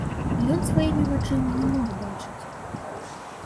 Ён сваімі вачыма не мог бачыць.